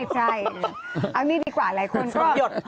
ใช่เอางี้ดีกว่าหลายคนก็หยด